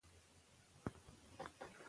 ایا احمدشاه بابا ډیلي ته تللی و؟